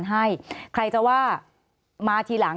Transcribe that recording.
สวัสดีครับทุกคน